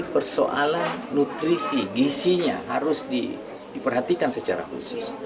persoalan nutrisi gisinya harus diperhatikan secara khusus